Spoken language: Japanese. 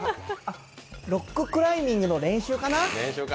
ロッククライミングの練習かな？